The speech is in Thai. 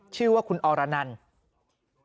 ชื่อว่าคุณอรนันทร์